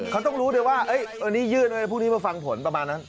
เขาต้องรู้เลยว่าวันนี้ยื่นไว้พรุ่งนี้มาฟังผลประมาณนั้น